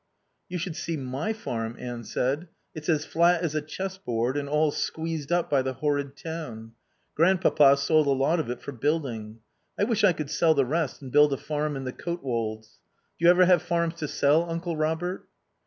"You should see my farm," Anne said. "It's as flat as a chess board and all squeezed up by the horrid town. Grandpapa sold a lot of it for building. I wish I could sell the rest and buy a farm in the Cotswolds. Do you ever have farms to sell, Uncle Robert?"